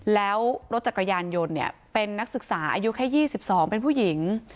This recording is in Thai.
แล้วรถจักรยานยนต์เป็นนักศึกษาอายุแค่๒๒เป็นผู้หญิง